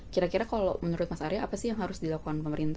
kira kira kalau menurut mas arya apa sih yang harus dilakukan pemerintah